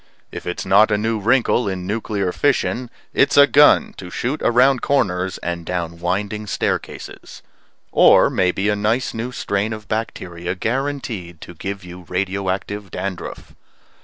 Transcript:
If it's not a new wrinkle in nuclear fission, it's a gun to shoot around corners and down winding staircases. Or maybe a nice new strain of bacteria guaranteed to give you radio active dandruff.